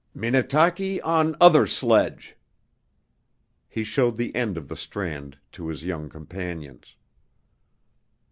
"Minnetaki on other sledge!" He showed the end of the strand to his young companions.